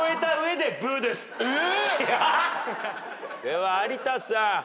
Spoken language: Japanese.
では有田さん。